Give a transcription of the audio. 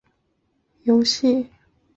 是一款由育碧制作和发行的平台游戏。